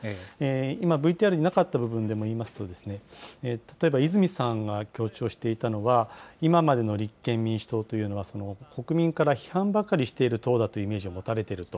今、ＶＴＲになかった部分でもいいますと、例えば泉さんが強調していたのは、今までの立憲民主党というのは、国民から批判ばかりしている党だというイメージを持たれていると。